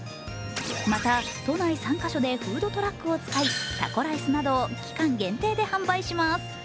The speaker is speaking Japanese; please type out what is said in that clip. また都内３カ所でフードトラックを使い、タコライスなどを期間限定で販売します。